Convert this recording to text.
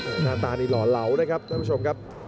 หน้าตานี่หล่อเหลานะครับท่านผู้ชมครับ